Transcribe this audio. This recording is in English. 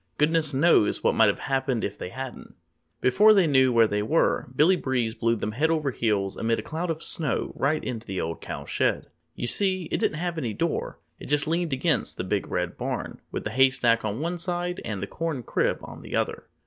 Goodness knows what might have happened if they hadn't. Before they knew where they were Billy Breeze blew them head over heels amid a cloud of snow right into the Old Cow Shed. You see, it didn't have any door it just leaned against the Big Red Barn, with the Hay Stack on one side and the Corn Crib on the other.